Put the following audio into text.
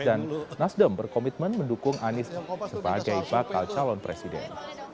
dan nasdem berkomitmen mendukung anies sebagai bakal calon presiden